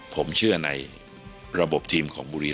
ผมเชื่อในระบบทีม